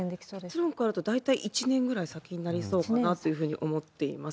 結論から言うと、大体１年ぐらい先になりそうかなというふうに思っています。